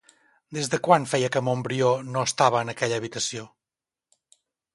Des de quan feia que Montbrió no estava en aquella habitació?